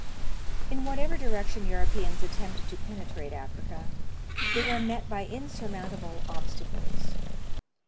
In whatever direction Europeans attempted to penetrate Africa, they were met by insurmountable obstacles.